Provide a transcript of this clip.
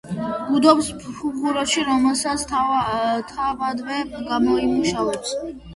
ბუდობს ფუღუროში, რომელსაც თავადვე გამოიმუშავებს.